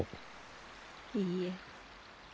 いいえ